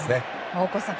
大越さん